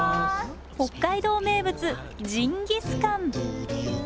北海道名物ジンギスカン。